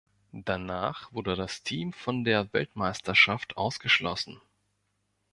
Danach wurde das Team von der Weltmeisterschaft ausgeschlossen.